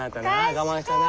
我慢したな。